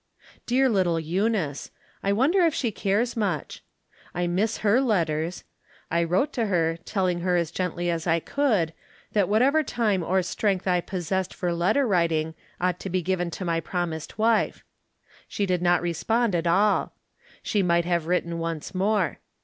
Dear little Eunice ! I wonder if she cares much. I miss her letters. I wrote to her, tel ling her as gently as I could, that whatever time or strength I possessed for letter writing ought to be given to my promised wife. She did not respond at all. She might have written once more.